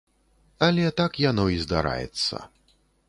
Але так яно і здараецца.